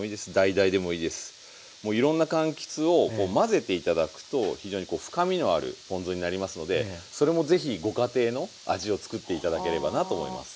もういろんなかんきつを混ぜて頂くと非常にこう深みのあるポン酢になりますのでそれも是非ご家庭の味を作って頂ければなと思います